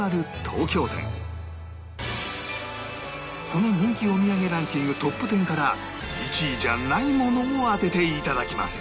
その人気お土産ランキングトップ１０から１位じゃないものを当てて頂きます